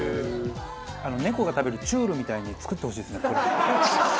猫が食べるちゅるみたいに作ってほしいですねこれ。